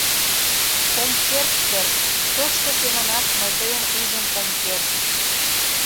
Ом керт дыр, тошто семынак мый тыйым ужын ом керт.